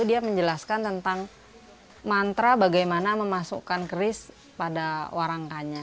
dia menjelaskan tentang mantra bagaimana memasukkan keris pada warangkanya